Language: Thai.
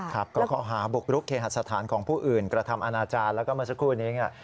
ครับก็ข้อหาบุกรุกเคหสถานของผู้อื่นกระทำอาณาจารย์แล้วก็เมื่อสักครู่นี้เนี่ย